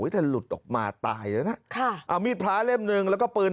ถ้าหลุดออกมาตายแล้วนะค่ะเอามีดพระเล่มหนึ่งแล้วก็ปืน